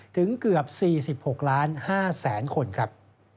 ถึงเกือบ๔๖ล้าน๕แสนคนครับ